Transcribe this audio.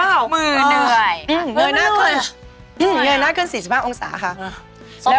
เหนื่อยหน้าขึ้น๔๕องศาคม